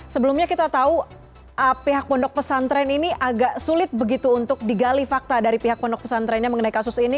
sebelumnya kita tahu pihak pondok pesantren ini agak sulit begitu untuk digali fakta dari pihak pondok pesantrennya mengenai kasus ini